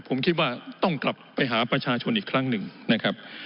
ผมคิดว่าต้องกลับไปหาประชาชนอีกครั้งหนึ่งนะครับ